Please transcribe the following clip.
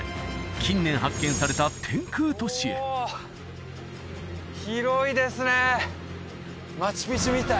近年発見された天空都市へ広いですね